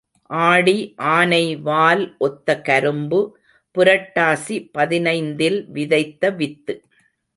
ஆடி ஆனை வால் ஒத்த கரும்பு, புரட்டாசி பதினைந்தில் விதைத்த வித்து.